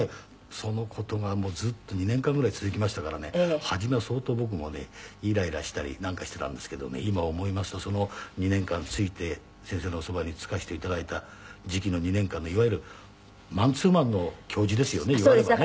その事がずっと２年間ぐらい続きましたからね初めは相当僕もねイライラしたりなんかしてたんですけどね今思いますとその２年間付いて先生のおそばに付かせて頂いた時期の２年間のいわゆるマンツーマンの教授ですよねいわばね。